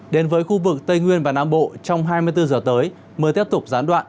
đến với khu vực tây nguyên và nam bộ trong hai mươi bốn giờ tới mưa tiếp tục gián đoạn